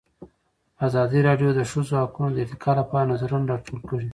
ازادي راډیو د د ښځو حقونه د ارتقا لپاره نظرونه راټول کړي.